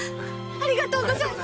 ありがとうございます！